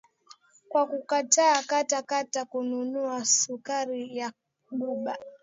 kwa kukataa kata kata kununua sukari ya Cuba